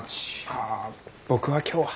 あ僕は今日は。